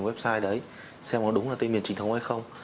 website đấy xem có đúng là tên miền chính thống hay không